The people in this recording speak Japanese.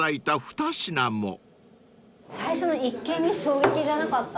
最初の１軒目衝撃じゃなかった？